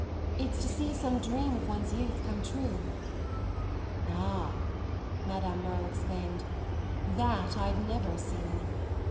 It's to see some dream of one's youth come true." "Ah," Madame Merle exclaimed, "that I've never seen!